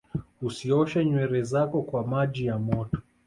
usioshe nywere zako kwa maji ya moto